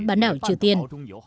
bán đảo triều tiên